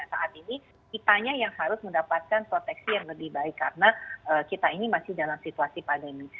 saat ini kitanya yang harus mendapatkan proteksi yang lebih baik karena kita ini masih dalam situasi pandemi